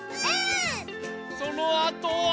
そのあとは。